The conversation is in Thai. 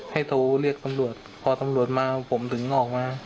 โทรเรียกตำรวจพอตำรวจมาผมถึงออกมา